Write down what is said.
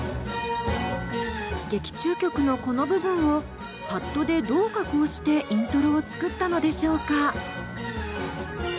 劇中曲のこの部分をパッドでどう加工してイントロを作ったのでしょうか？